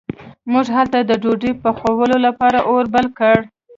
موږ هلته د ډوډۍ پخولو لپاره اور بل کړ.